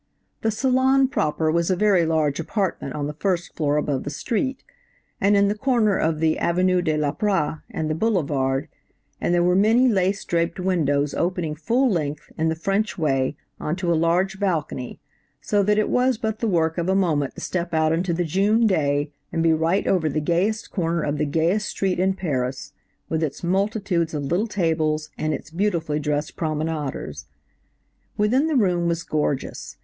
"The salon proper was a very large apartment on the first floor above the street, and in the corner of the Avenue de l'Opera and the Boulevard; and there were many lace draped windows opening full length, in the French way, on to a large balcony, so that it was but the work of a moment to step out into the June day and be right over the gayest corner of the gayest street in Paris, with its multitudes of little tables, and its beautifully dressed promenaders. Within the room was gorgeous.